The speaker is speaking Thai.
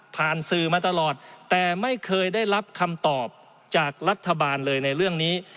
สื่อมาตลอดแต่ไม่เคยได้รับคำตอบจากรัฐบาลเลยในเรื่องนี้